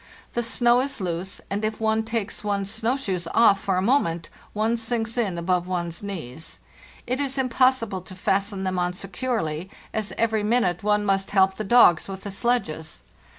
The snow 1s loose, and if one takes one's snow shoes off for a moment one sinks in above one's knees. It is impossible to fasten them on securely, as every minute one must 224 FARTHEST NORTH help the dogs with the sledges.